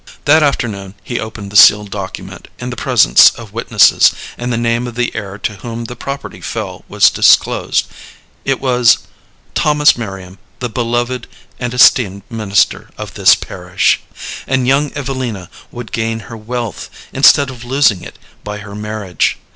That afternoon he opened the sealed document in the presence of witnesses, and the name of the heir to whom the property fell was disclosed. It was "Thomas Merriam, the beloved and esteemed minister of this parish," and young Evelina would gain her wealth instead of losing it by her marriage.